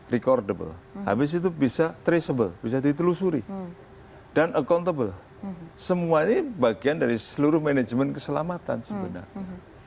recordable habis itu bisa traceable bisa ditelusuri dan accountable semuanya bagian dari seluruh manajemen keselamatan sebenarnya